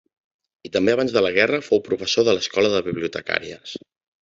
I també abans de la guerra fou professor de l'Escola de Bibliotecàries.